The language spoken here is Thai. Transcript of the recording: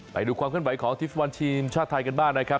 ไปดูความขึ้นไหวของทีมฟุตบอลทีมชาติไทยกันบ้างนะครับ